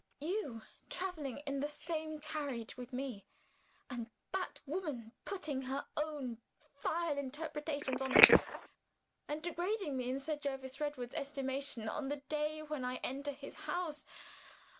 You, traveling in the same carriage with me! and that woman putting her own vile interpretation on it, and degrading me in Sir Jervis Redwood's estimation, on the day when I enter his house!